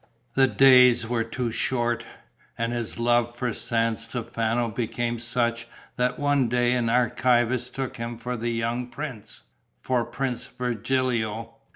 The days were too short. And his love for San Stefano became such that one day an archivist took him for the young prince, for Prince Virgilio.